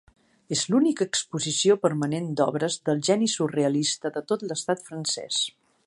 És l'única exposició permanent d'obres del geni surrealista de tot l'estat francès.